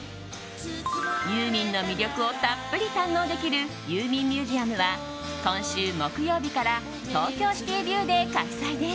ユーミンの魅力をたっぷり堪能できるＹＵＭＩＮＧＭＵＳＥＵＭは今週木曜日から東京シティビューで開催です。